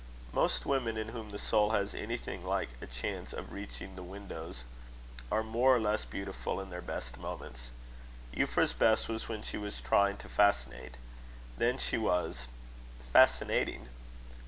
Most women in whom the soul has anything like a chance of reaching the windows, are more or less beautiful in their best moments. Euphra's best was when she was trying to fascinate. Then she was fascinating.